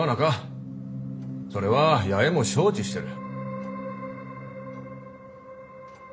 それは弥江も承知してる。